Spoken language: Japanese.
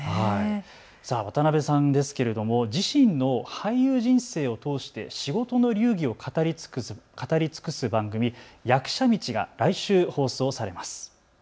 渡辺さん、自身の俳優人生を通して仕事の流儀を語り尽くす番組、役者道が来週放送されます。